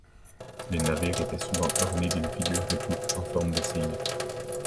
Le navire était souvent orné d’une figure de poupe en forme de cygne.